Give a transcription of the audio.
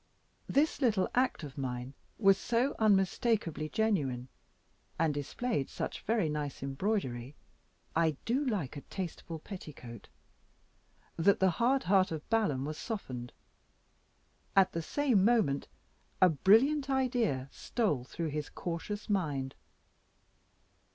This little act of mine was so unmistakably genuine, and displayed such very nice embroidery I do like a tasteful petticoat that the hard heart of Balaam was softened; at the same moment a brilliant idea stole through his cautious mind.